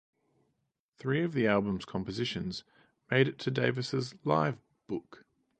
Three of the album's compositions made it to Davis's live "book".